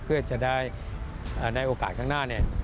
เพื่อจะได้ในโอกาสข้างหน้าเนี่ย